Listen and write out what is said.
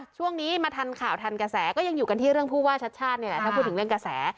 ช่วงนี้มาทันข่าวทันกระแสก็ยังอยู่กันที่เรื่องผู้ว่าชัดชาตินี่แหละถ้าพูดถึงเรื่องกระแส